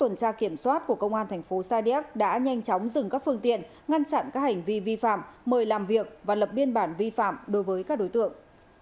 tuần tra kiểm soát của công an thành phố sa điếc đã nhanh chóng dừng các phương tiện ngăn chặn các hành vi vi phạm mời làm việc và lập biên bản vi phạm đối với các đối tượng